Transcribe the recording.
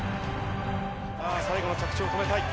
最後の着地をとめたい。